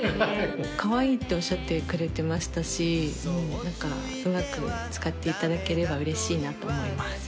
カワイイっておっしゃってくれてましたしうまく使っていただければうれしいなと思います。